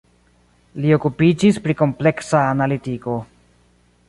Li okupiĝis pri kompleksa analitiko.